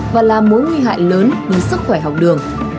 và là mối nguy hại lớn đến sức khỏe học đường